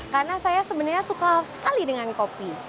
karena saya sebenarnya suka sekali dengan kopi